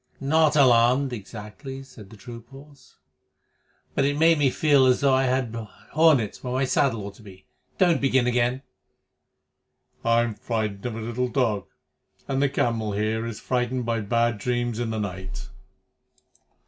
"Not alarmed, exactly," said the troop horse, "but it made me feel as though I had hornets where my saddle ought to be. Don't begin again." "I'm frightened of a little dog, and the camel here is frightened by bad dreams in the night."